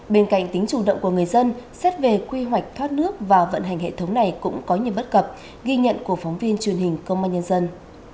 bên cạnh tính chủ động của người dân xét về quy hoạch thoát nước và vận hành hệ thống này cũng có nhiều bất cập ghi nhận của phóng viên truyền hình công an nhân dân